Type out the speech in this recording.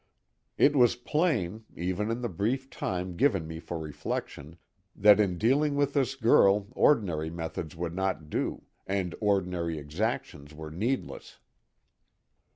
It was plain, even in the brief time given me for reflection, that in dealing with this girl ordinary methods would not do, and ordinary exactions were needless.